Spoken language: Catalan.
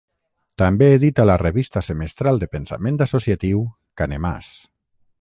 També edita la revista semestral de pensament associatiu Canemàs.